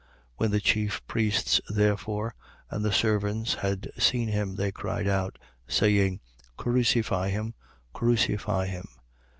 19:6. When the chief priests, therefore, and the servants had seen him, they cried out, saying: Crucify him, Crucify him.